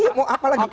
iya mau apa lagi